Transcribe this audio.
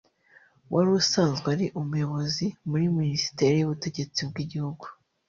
wari usanzwe ari umuyobozi muri Minisiteri y’Ubutegetsi bw’Igihugu